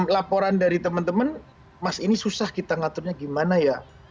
laporan dari teman teman mas ini susah kita ngaturnya gimana ya